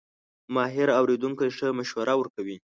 ماهر اورېدونکی ښه مشوره ورکوي.